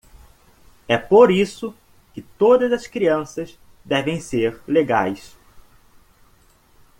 É por isso que todas as crianças devem ser legais.